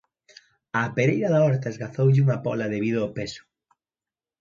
Á pereira da horta esgazoulle unha póla debido ao peso.